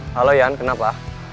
halo iyan kenapa